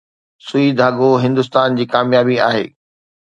’سوئي ڌاڳو‘ هندستان جي ڪاميابي آهي